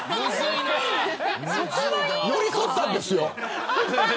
寄り添ったんですよ。